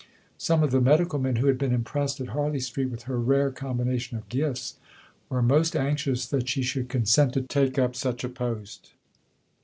Some of the medical men, who had been impressed at Harley Street with her rare combination of gifts, were most anxious that she should consent to take up such a post.